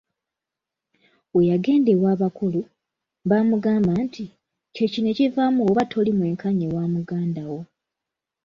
We yagenda ew'abakulu, bamugamba nti, Kye kino ekivaamu w'oba toli mwenkanya ewa muganda wo.